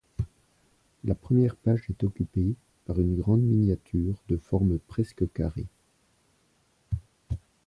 La première page est occupée par une grande miniature de forme presque carré.